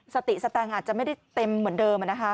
สติสตังค์อาจจะไม่ได้เต็มเหมือนเดิม